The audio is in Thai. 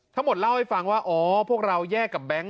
เล่าให้ฟังว่าอ๋อพวกเราแยกกับแบงค